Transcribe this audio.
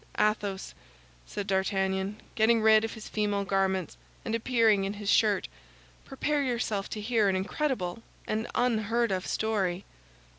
"Athos," said D'Artagnan, getting rid of his female garments, and appearing in his shirt, "prepare yourself to hear an incredible, an unheard of story."